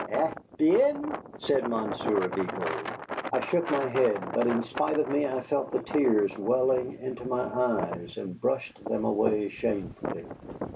"Eh bien?" said Monsieur Vigo. I shook my head, but in spite of me I felt the tears welling into my eyes and brushed them away shamefully.